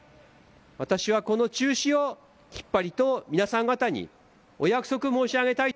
私はこの中止をきっぱりと皆さん方にお約束申し上げたい。